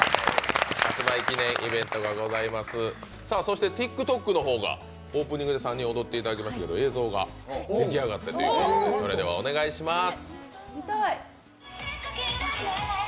そしてＴｉｋＴｏｋの方、オープニングで３人踊っていただきましたけど映像が出来上がったということで、それでは、お願いします。